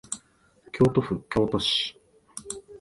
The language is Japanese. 京都府京都市